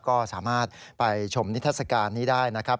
ก็สามารถไปชมนิทัศกาลนี้ได้นะครับ